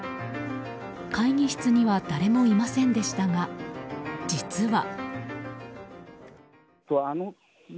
会議室には誰もいませんでしたが実は。